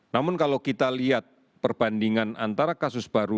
namun kalau kita lihat perbandingan antara kasus baru